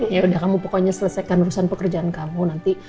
yaudah kamu pokoknya selesaikan urusan pekerjaan kamu nanti